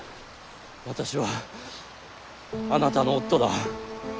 私はあなたの夫だ。